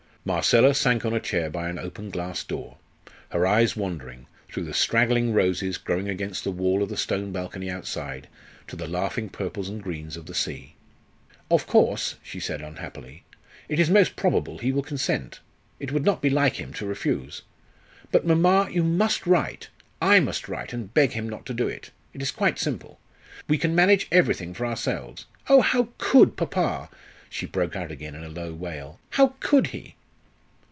Marcella sank on a chair by an open glass door, her eyes wandering, through the straggling roses growing against the wall of the stone balcony outside, to the laughing purples and greens of the sea. "Of course," she said unhappily, "it is most probable he will consent. It would not be like him to refuse. But, mamma, you must write. I must write and beg him not to do it. It is quite simple. We can manage everything for ourselves. Oh! how could papa?" she broke out again in a low wail, "how could he?"